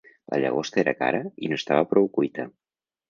La llagosta era cara i no estava prou cuita.